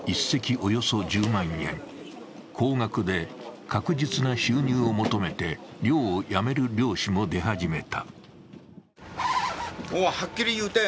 およそ１０万円高額で確実に収入を求めて漁をやめる漁師も出始めた。